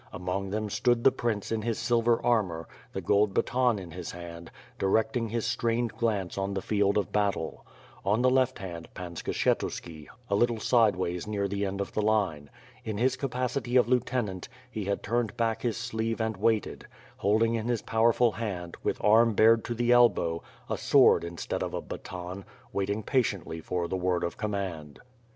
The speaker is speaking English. Among them stood the prince in his silver armor, the gold baton in his hand, di recting his strained glance on the field of battle. On the left hand, Pan Skahetuski, a little sideways near the end of the line. In his capacity of lieutenant, he had turned back his sleeve and waited; holding in his powerful hand, with arm bared to the elbow, a sword instead of a baton, waiting patiently for the word of command.